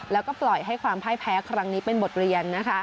แล้วก็ปล่อยให้ความพ่ายแพ้ครั้งนี้เป็นบทเรียน